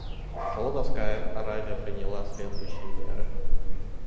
Саудовская Аравия приняла следующие меры.